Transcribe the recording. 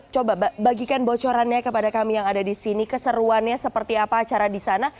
coba bagikan bocorannya kepada kami yang ada di sini keseruannya seperti apa acara di sana